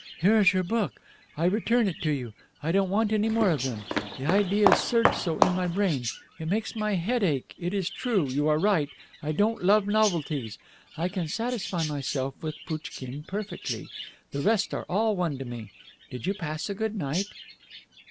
"Here is your book; I return it to you. I don't want any more of them, the ideas surge so in my brain. It makes my head ache. It is true, you are right, I don't love novelties. I can satisfy myself with Pouchkine perfectly. The rest are all one to me. Did you pass a good night?"